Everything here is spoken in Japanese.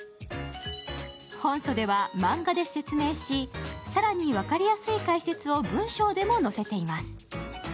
本書ではマンガで説明し、更に分かりやすい解説を文章でも載せています。